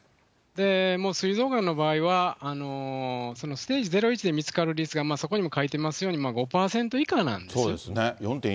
すい臓がんの場合は、ステージ０、１で見つかる率がそこにも書いてますように、５％以下なんです。